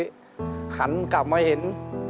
หันกลับมาเห็น